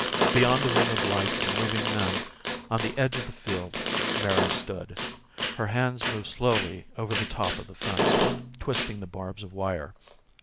Beyond the ring of lights and moving men, on the edge of the field, Mary stood. Her hands moved slowly over the top of the fence, twisting the barbs of wire.